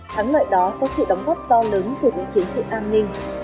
thắng lợi đó có sự đóng góp to lớn của những chiến sĩ an ninh